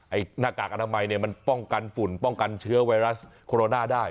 หน้ากากอนามัยเนี่ยมันป้องกันฝุ่นป้องกันเชื้อไวรัสโคโรนาได้